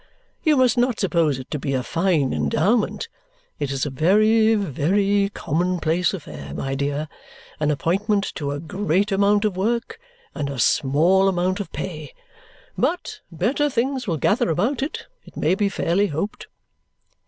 You must not suppose it to be a fine endowment. It is a very, very commonplace affair, my dear, an appointment to a great amount of work and a small amount of pay; but better things will gather about it, it may be fairly hoped."